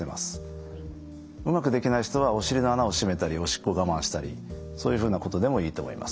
うまくできない人はお尻の穴を閉めたりおしっこを我慢したりそういうふうなことでもいいと思います。